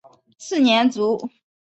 次年卒。